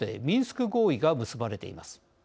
ミンスク合意が結ばれています。